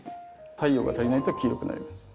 太陽が足りないと黄色くなります。